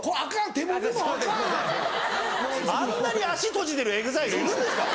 あんなに足閉じてるＥＸＩＬＥいるんですか？